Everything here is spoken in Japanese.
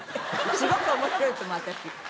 すごく面白いと思う私。